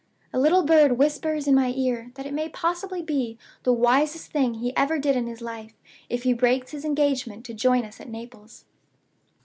A little bird whispers in my ear that it may possibly be the wisest thing he ever did in his life if he breaks his engagement to join us at Naples.